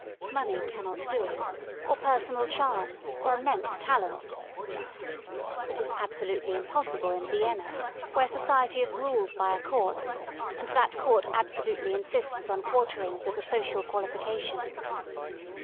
Money cannot do it, or personal charm, or '♦ immense talents. It is absolutely impossible in Vienna rf/ where society is ruled by a Court, and that Court abso lutely insists on quarterings as a social qualification.